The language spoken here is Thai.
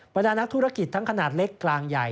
ดานักธุรกิจทั้งขนาดเล็กกลางใหญ่